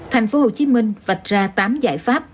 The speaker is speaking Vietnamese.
tp hcm vạch ra tám giải pháp